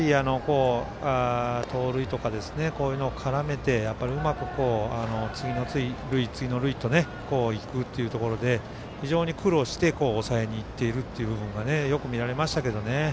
盗塁とかこういうのを絡めて、うまく次の塁、次の塁へと行くというところで非常に苦労して抑えにいっているというのがよく見られましたけどね。